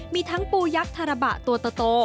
มีทั้งปูยักษ์ทาระบะตัวโต